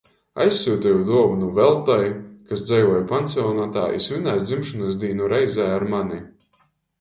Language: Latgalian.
Aizsyuteju duovonu Veltai, kas dzeivoj pansionatā i svinēs dzimšonys dīnu reizē ar mani.